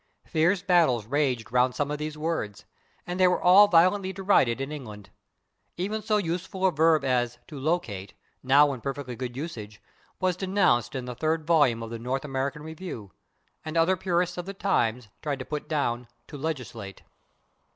Fierce battles raged 'round some of these words, and they were all violently derided in England. Even so useful a verb as /to locate/, now in perfectly good usage, [Pg050] was denounced in the third volume of the /North American Review/, and other purists of the times tried to put down /to legislate